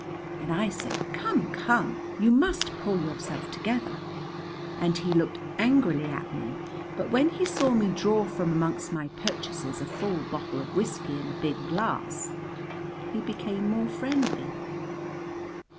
And I said, "Come, come, you must pull yourself together." And he looked angrily at me; but when he saw me draw from amongst my purchases a full bottle of whiskey and a big glass he became more friendly.